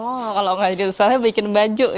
oh kalau nggak jadi ustazah bikin baju ya